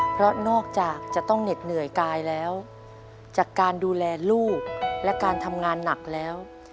เพราะนอกจากจะต้องเหน็ดเหนื่อยกายแล้วจากการดูแลลูกและการทำงานหนักแล้ว